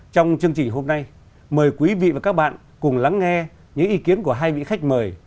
trong chương trình hôm nay mời quý vị và các bạn cùng lắng nghe những ý kiến của hai vị khách mời